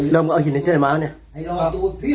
แล้วเอาหินในเจ้าใหมม้าเนี่ย